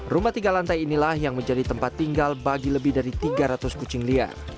rumah tiga lantai inilah yang menjadi tempat tinggal bagi lebih dari tiga ratus kucing liar